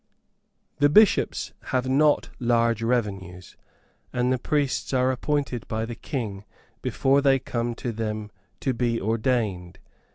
The bishops have not large revenues, and the priests are appointed by the king before they come to them to be ordained.